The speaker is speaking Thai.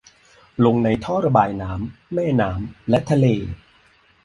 ลงในท่อระบายน้ำ แม่น้ำ และทะเล